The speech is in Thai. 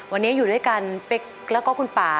วันนี้อยู่ด้วยกันเป๊กแล้วก็คุณป่า